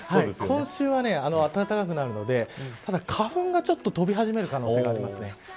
今週は暖かくなるのでただ、花粉が飛び始める可能性があります。